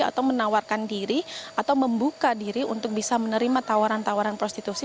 atau menawarkan diri atau membuka diri untuk bisa menerima tawaran tawaran prostitusi